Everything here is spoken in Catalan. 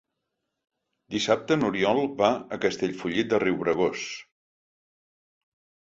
Dissabte n'Oriol va a Castellfollit de Riubregós.